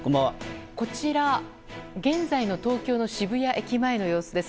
こちら現在の東京の渋谷駅前の様子です。